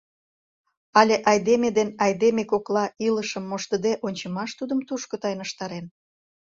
Але айдеме ден айдеме кокла илышым моштыде ончымаш тудым тушко тайныштарен?